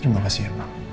terima kasih ya pak